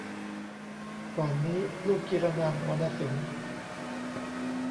ก่อนนี้ ลูกจิรนันท์ วรรณสิงห์